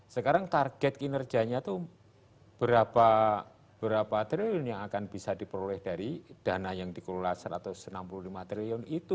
sekarang target kinerjanya itu berapa triliun yang akan bisa diperoleh dari dana yang dikelola rp satu ratus enam puluh lima triliun itu